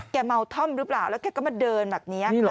แกเมาท่อหรือเปล่าแล้วแค่กำจัดเดินแบบนี้นี่หรอ